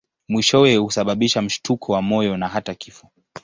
Mwishowe husababisha mshtuko wa moyo na hata kifo.